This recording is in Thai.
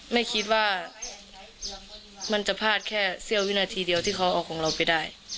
ไม่คิดว่ามันจะพลาดแค่เสี้ยววินาทีเดียวที่เขาเอาของเราไปได้